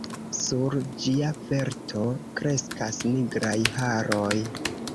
Sur ĝia verto kreskas nigraj haroj.